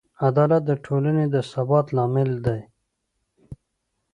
عدالت د ټولنې د ثبات لامل دی.